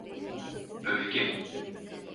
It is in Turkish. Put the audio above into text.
Öfke…